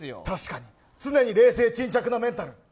確かに常に冷静沈着なメンタル。